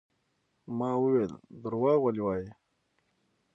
ما وويل دروغ ولې وايې.